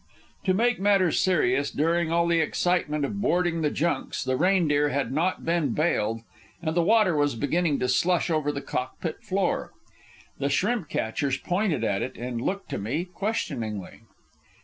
To make matters serious, during all the excitement of boarding the junks the Reindeer had not been bailed, and the water was beginning to slush over the cockpit floor. The shrimp catchers pointed at it and looked to me questioningly.